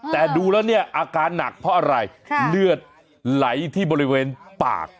แต่ดูแล้วเนี่ยอาการหนักเพราะอะไรเลือดไหลที่บริเวณปาก